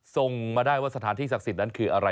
ส่งมาได้ว่าสถานที่ศักดิ์สิทธิ์นั้นคืออะไร